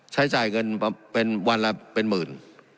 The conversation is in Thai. ใช้จ่ายเงินเป็นวันละเป็นหมื่น